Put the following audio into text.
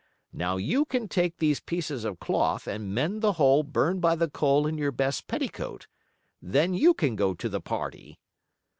Now you can take these pieces of cloth and mend the hole burned by the coal in your best petticoat. Then you can go to the party."